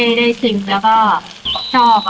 เด็กนักเรียนได้ชิงแล้วก็ชอบค่ะ